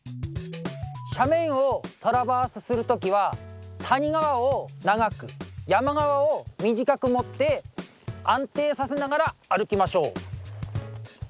斜面をトラバースする時は谷側を長く山側を短く持って安定させながら歩きましょう。